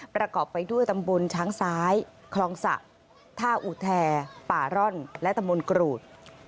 ประกอบไปด้วยตำบลช้างซ้ายคลองสะท่าอุแทป่าร่อนและตำบลกรูด